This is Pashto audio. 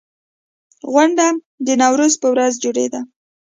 غونډه د نوروز په ورځ جوړېده.